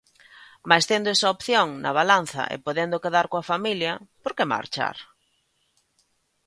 Mais tendo esa opción na balanza e podendo quedar coa familia, por que marchar?